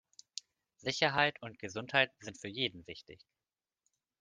Sicherheit und Gesundheit sind für jeden wichtig.